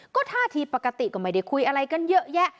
ก็ท่าทีปกติก็ไม่ได้คุยอะไรกันเยอะแยะ